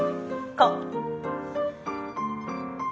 こう。